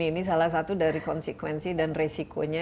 ini salah satu dari konsekuensi dan resikonya